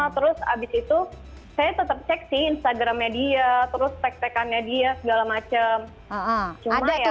terus habis itu saya tetap cek sih instagram media terus teks tekannya dia segala macem ada